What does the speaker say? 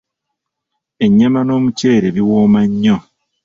Ennyama n'omuceere biwooma nnyo.